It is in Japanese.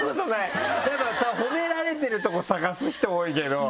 やっぱ褒められてるとこ探す人多いけど。